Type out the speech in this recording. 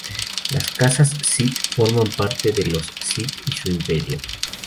Los cazas Sith forman parte de los Sith y su Imperio.